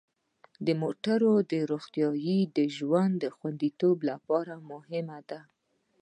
د موټرو روغتیا د ژوند خوندیتوب لپاره مهمه ده.